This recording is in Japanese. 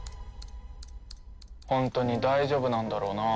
ホントに大丈夫なんだろうな。